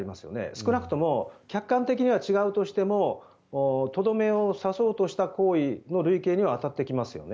少なくとも客観的には違うとしてもとどめを刺そうとした行為の類型には当たってきますよね。